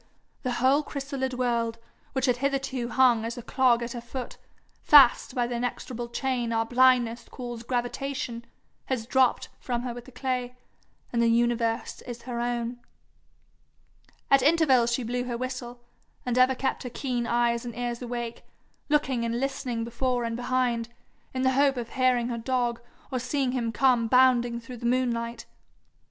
the whole chrysalid world, which had hitherto hung as a clog at her foot, fast by the inexorable chain our blindness calls gravitation, has dropped from her with the clay, and the universe is her own. At intervals she blew her whistle, and ever kept her keen eyes and ears awake, looking and listening before and behind, in the hope of hearing her dog, or seeing him come bounding through the moonlight.